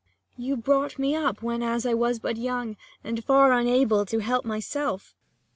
Cor. You brought me up, whenas I was but young, And far unable for to help myself. Leir.